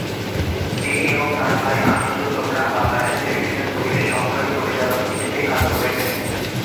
তিনি এবং তার ভাই আদিত্য চোপড়া বাবার সাথে বিভিন্ন ছবিতে সহকারী পরিচালক হিসেবে কাজ করেছেন।